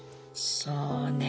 そうね。